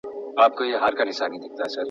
دا سړی د زندان پخوانی ساتونکی و.